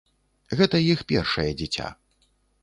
Гэта іх першае дзіця.